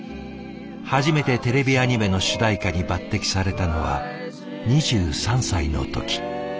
初めてテレビアニメの主題歌に抜てきされたのは２３歳の時。